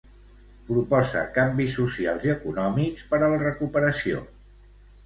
Proposa canvis socials i econòmics per a la recuperació.